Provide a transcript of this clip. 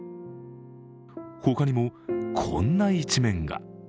他にもこんな一面が。